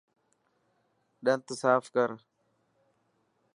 ڏنت صاف ڪر.